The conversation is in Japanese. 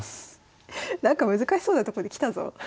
なんか難しそうなとこできたぞ。